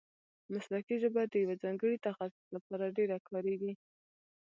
مسلکي ژبه د یوه ځانګړي تخصص له پاره ډېره کاریږي.